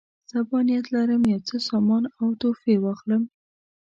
سبا نیت لرم یو څه سامان او تحفې واخلم.